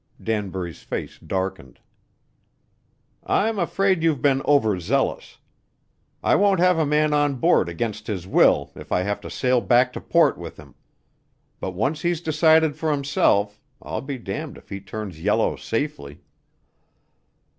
Danbury's face darkened. "I'm afraid you've been overzealous. I won't have a man on board against his will, if I have to sail back to port with him. But once he's decided for himself, I'll be damned if he turns yellow safely."